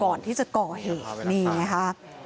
ก่อนที่จะก่อเหนี่ไงครับ